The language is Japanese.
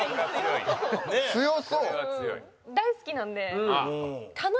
大好きなんで。